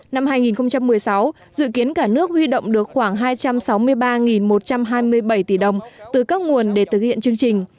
năm hai nghìn một mươi sáu dự kiến cả nước huy động được khoảng hai trăm sáu mươi ba một trăm hai mươi bảy tỷ đồng từ các nguồn để thực hiện chương trình